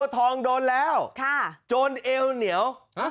บางบัวทองโดนแล้วจนเอวเหนียว